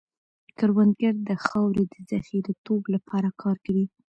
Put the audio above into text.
کروندګر د خاورې د زرخېزتوب لپاره کار کوي